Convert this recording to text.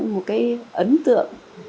một cái ấn tượng